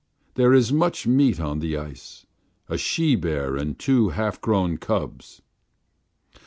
"There is much meat on the ice a she bear and two half grown cubs."